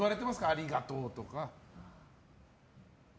ありがとうとか。